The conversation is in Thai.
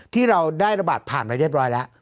ที่เราได้ระบาดผ่านไปเรียบร้อยแล้ว